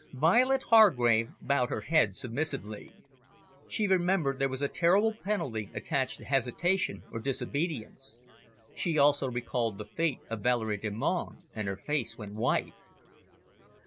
Violet Hargrave bowed her head submissively. She remembered there was a terrible penalty attached to hesitation or disobedience. She also recalled the fate of Valerie Delmonte, and her face went white.